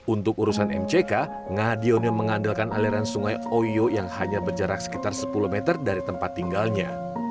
untuk urusan mck ngadiono mengandalkan aliran sungai oyo yang hanya berjarak sekitar sepuluh meter dari tempat tinggalnya